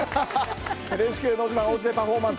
「ＮＨＫのど自慢おうちでパフォーマンス」。